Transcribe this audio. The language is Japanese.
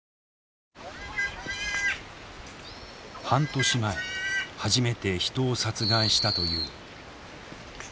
半年前初めて人を殺害したという。